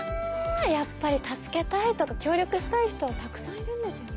やっぱり助けたいとか協力したい人はたくさんいるんですね。